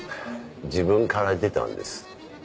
自分から出たんです。